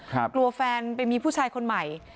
กลัวแฟนไปมีผู้ชายคนใหม่